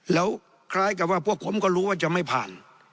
แล้วคล้ายกับว่าพวกผมก็รู้ว่าจะไม่ผ่าน